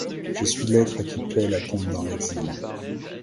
Je suis l’être à qui plaît la tombe dans l’exil.